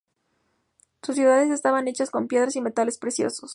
Sus ciudades estaban hechas con piedras y metales preciosos.